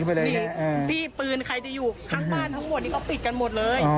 แล้วก็หนีไปเลยนี่พี่ปืนใครจะอยู่ค้างบ้านทั้งหมดนี่เขาปิดกันหมดเลย